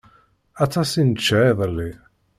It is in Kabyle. Aṭas i nečča iḍelli.